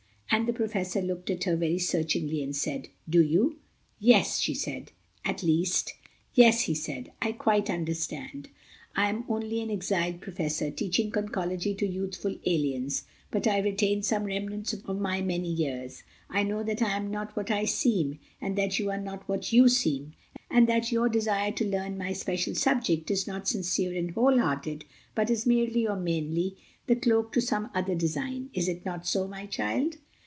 And the Professor looked at her very searchingly and said, "Do you?" "Yes," she said, "at least—" "Yes," he said, "I quite understand. I am only an exiled Professor, teaching Conchology to youthful aliens, but I retain some remnants of the wisdom of my many years. I know that I am not what I seem, and that you are not what you seem, and that your desire to learn my special subject is not sincere and whole hearted, but is merely, or mainly, the cloak to some other design. Is it not so, my child?"